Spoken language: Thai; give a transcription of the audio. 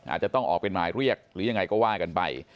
อาจจะต้องออกเป็นหมายเรียกหรือยังไงก็ว่ากันไป